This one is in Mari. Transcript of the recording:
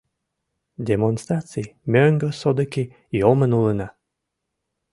Демонстраций мӧҥгӧ содыки йомын улына.